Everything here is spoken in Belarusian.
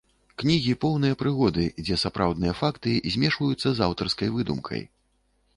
Кнігі поўныя прыгоды, дзе сапраўдныя факты змешваюцца з аўтарскай выдумкай.